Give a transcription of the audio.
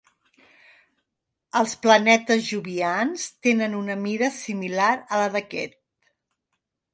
Els planetes jovians tenen una mida similar a la d'aquest.